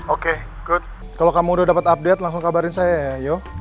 oke good kalau kamu udah dapet update langsung kabarin saya yo